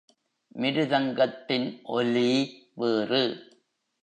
மிருதங்கத்தின் ஒலி வேறு.